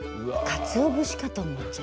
かつお節かと思っちゃう。